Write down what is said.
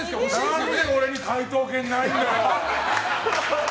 何で俺に回答権ないんだよ。